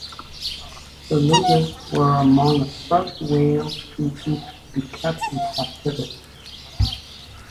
Belugas were among the first whale species to be kept in captivity.